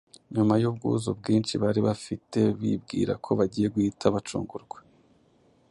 Nyuma y’ubwuzu bwinshi bari bafite bibwira ko bagiye guhita bacungurwa,